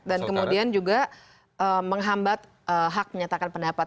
dan kemudian juga menghambat hak menyatakan pendapat